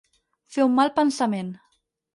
Fer un mal pensament.